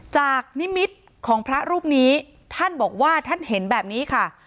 นิมิตของพระรูปนี้ท่านบอกว่าท่านเห็นแบบนี้ค่ะ